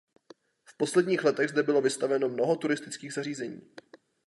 V posledních letech zde bylo vystaveno mnoho turistických zařízení.